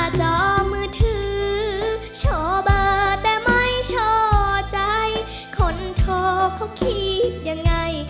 หน้าจอมือถือโชเบิร์ดแต่ไม่โชเบิร์ดใดขนโทรก็คิดยังไง